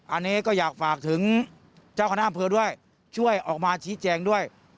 อันนี้ก็อยากฝากถึงเจ้าคณะอำเภอด้วยช่วยออกมาชี้แจงด้วย